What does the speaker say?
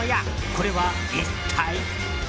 これは一体？